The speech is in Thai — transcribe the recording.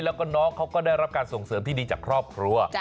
แล้วก็น้องเขาก็ได้รับการส่งเสริมที่ดีจากครอบครัว